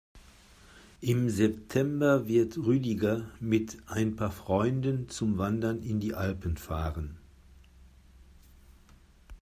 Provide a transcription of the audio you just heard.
Im September wird Rüdiger mit ein paar Freunden zum Wandern in die Alpen fahren.